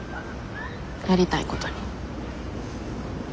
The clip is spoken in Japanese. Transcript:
やりたいことに。